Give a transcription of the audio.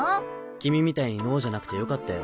君みたいに脳じゃなくてよかったよ。